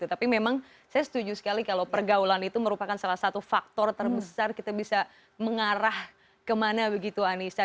tapi memang saya setuju sekali kalau pergaulan itu merupakan salah satu faktor terbesar kita bisa mengarah kemana begitu anissa